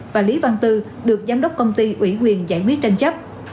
và lý văn tư được giám đốc công ty ủy quyền giải quyết tranh chấp